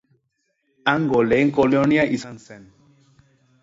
Hango lehen kolonia izan zen.